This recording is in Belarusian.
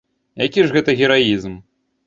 Які ж гэта гераізм.